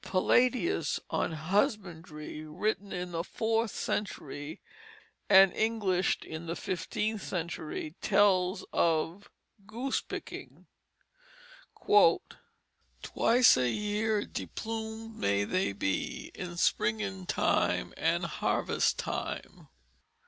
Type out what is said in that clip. Palladius, On Husbondrie, written in the fourth century, and Englished in the fifteenth century, tells of goose picking: "Twice a yere deplumed may they be, In spryngen tyme and harvest tyme."